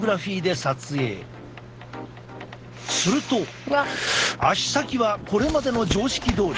すると足先はこれまでの常識どおり。